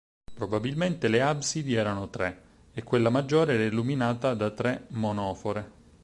Probabilmente le absidi erano tre, e quella maggiore era illuminata da tre monofore.